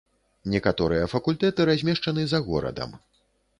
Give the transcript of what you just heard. Некаторыя факультэты размешчаны за горадам.